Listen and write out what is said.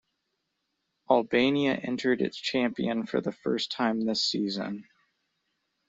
Albania entered its champion for the first time this season.